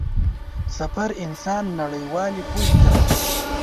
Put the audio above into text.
سفر انسان نړيوالې پوهې ته رسوي.